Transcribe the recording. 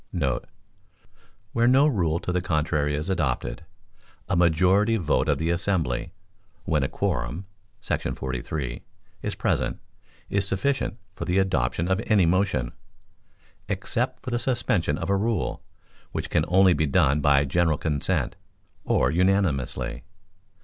* [Where no rule to the contrary is adopted, a majority vote of the assembly, when a quorum [§ 43] is present, is sufficient for the adoption of any motion, except for the suspension of a rule, which can only be done by general consent, or unanimously.